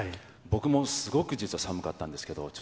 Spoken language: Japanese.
僕もすごく実は寒かったんですけど。